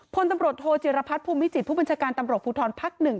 พลตำรวจโทจิรพัฒน์ภูมิจิตผู้บัญชาการตำรวจภูทรภักดิ์๑